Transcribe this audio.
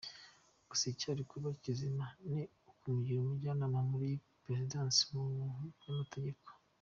Gusa icyari kuba kizima ni ukumugira umujyanama muri Perezidansi mu by’amategeko.